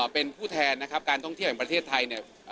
เป็นผู้แทนนะครับการท่องเที่ยวแห่งประเทศไทยเนี่ย